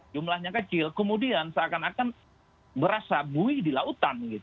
jumlahnya kecil kemudian seakan akan berasa bui di lautan